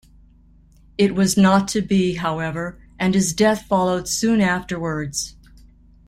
It was not to be, however, and his death followed soon afterwards.